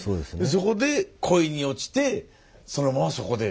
そこで恋に落ちてそのままそこで。